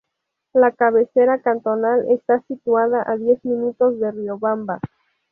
La cabecera cantonal está situada a diez minutos de Riobamba.